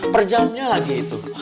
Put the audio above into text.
perjamnya lagi itu